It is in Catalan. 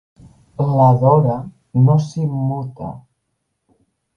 La Dora no s'immuta.